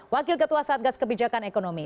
wakil ketua satgas kebijakan ekonomi